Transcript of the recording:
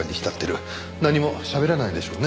何もしゃべらないでしょうね。